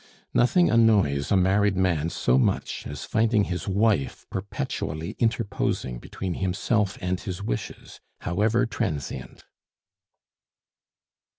Nothing annoys a married man so much as finding his wife perpetually interposing between himself and his wishes, however transient.